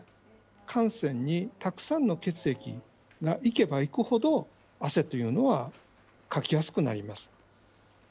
汗腺にたくさんの血液がいけばいくほど、汗というのはかきやすくなります。